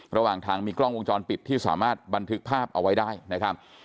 ระหว่างทางมีกล้องวงจรปิดที่สามารถบันทึกภาพเอาไว้ได้นะครับ